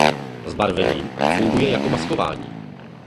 Zbarvení funguje jako maskování.